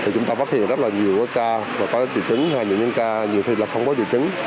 chúng ta phát hiện rất là nhiều ca và có triệu chứng hay những ca nhiều khi là không có triệu chứng